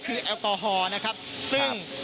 คือแอลกอฮอล์นะครับซึ่ง